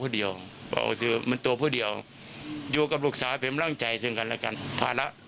สวัสดีครับ